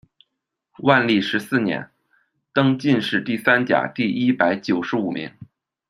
万历十四年，登进士第三甲第一百九十五名。